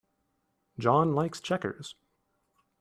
John likes checkers.